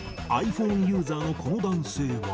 ｉＰｈｏｎｅユーザーのこの男性は。